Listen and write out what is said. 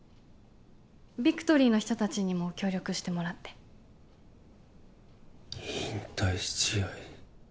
ビクトリーの人達にも協力してもらって引退試合